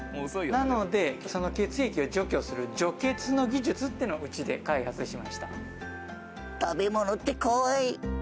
なのでその血液を除去する除血の技術っていうのをうちで開発しました。